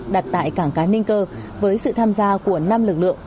đặt tại cảng cá ninh cơ với sự tham gia của năm lực lượng